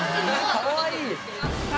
かわいい！